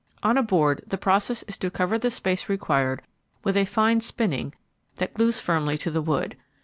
On a board the process is to cover the space required with a fine spinning that glues firmly to the wood.